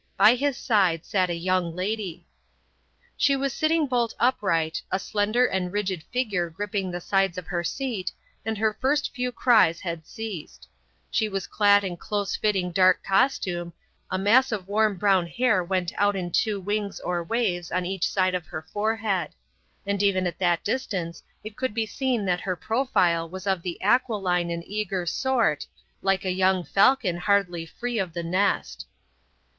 By his side sat a young lady. She was sitting bolt upright, a slender and rigid figure gripping the sides of her seat, and her first few cries had ceased. She was clad in close fitting dark costume, a mass of warm brown hair went out in two wings or waves on each side of her forehead; and even at that distance it could be seen that her profile was of the aquiline and eager sort, like a young falcon hardly free of the nest.